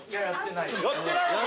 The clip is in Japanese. やってないのか！